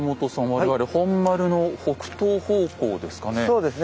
我々本丸の北東方向ですかね？